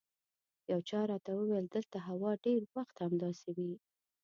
یو چا راته وویل دلته هوا ډېر وخت همداسې وي.